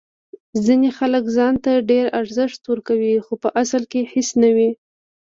ځینې خلک ځان ته ډیر ارزښت ورکوي خو په اصل کې هیڅ نه وي.